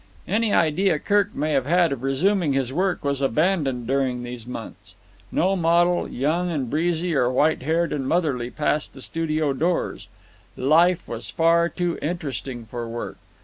Any idea Kirk may have had of resuming his work was abandoned during these months. No model, young and breezy or white haired and motherly, passed the studio doors. Life was far too interesting for work.